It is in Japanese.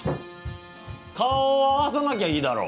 顔を合わさなきゃいいだろ。